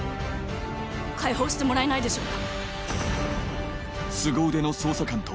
解放してもらえないでしょうか。